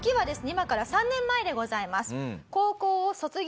今から３年前でございます。